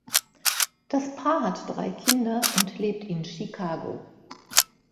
Das Paar hat drei Kinder und lebt in Chicago.